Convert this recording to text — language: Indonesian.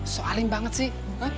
soalim banget sih